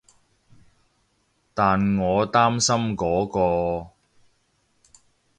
但我擔心嗰個